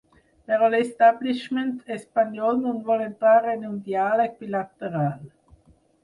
Però l’establishment espanyol no vol entrar en un diàleg bilateral.